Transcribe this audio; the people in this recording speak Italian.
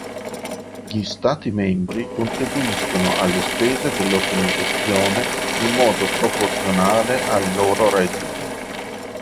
Gli stati membri contribuiscono alle spese dell'organizzazione in modo proporzionale al loro reddito.